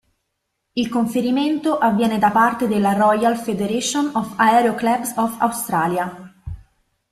Il conferimento avviene da parte della Royal Federation of Aero Clubs of Australia.